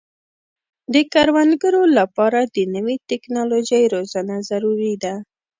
د کروندګرو لپاره د نوې ټکنالوژۍ روزنه ضروري ده.